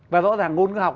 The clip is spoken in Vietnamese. và rõ ràng ngôn ngữ học